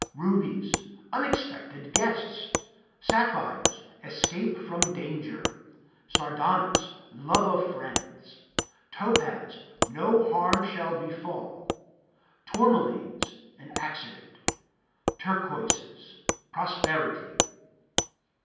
Rubies Unexpected guests. Sapphires Escape from danger. Sardonyx Love of friends. Topaz No harm shall befall. Tourmalines An accident. Turquoises Prosperity.